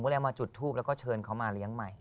ก็เลยมาจุดทูปแล้วก็เชิญเขามาเลี้ยงใหม่